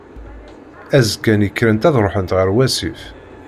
Azekka-nni, krent ad ruḥent, ɣer wasif.